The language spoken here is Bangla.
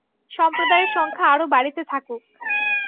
সম্প্রদায়ের সংখ্যা আরও বাড়িতে থাকুক।